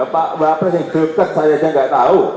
pak wapres yang dekat saya saja enggak tahu